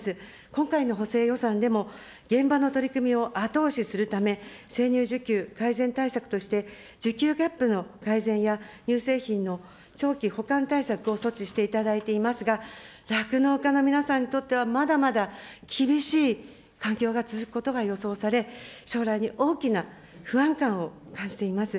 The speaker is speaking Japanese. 今回の補正予算でも現場の取り組みを後押しするため、生乳需給改善対策として、需給ギャップの改善や、乳製品の長期保管対策を措置していただいておりますが、酪農家の皆さんにとってはまだまだ厳しい環境が続くことが予想され、将来に大きな不安感を感じています。